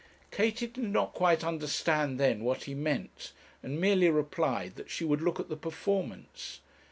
Katie did not quite understand then what he meant, and merely replied that she would look at the performance.